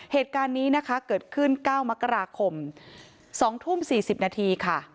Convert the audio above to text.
เหตุการณ์นี้นะคะเกิดขึ้น๙มกราคม๒ทุ่ม๔๐นาทีค่ะ